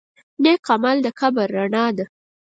نیک عمل د قبر رڼا ده.